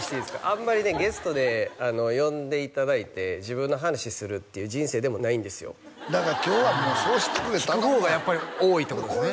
あんまりねゲストで呼んでいただいて自分の話するっていう人生でもないんですよだから今日はもうそうしてくれ頼むわ聞く方がやっぱり多いってことですね